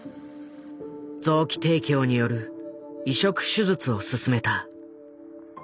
臓器提供による移植手術を勧めた。